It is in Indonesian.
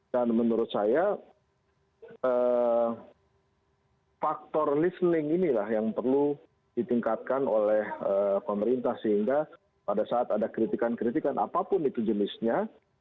dan menurut saya faktor listening inilah yang perlu ditingkatkan oleh pemerintah sehingga pada saat ada kritikan kritikan apapun itu jenisnya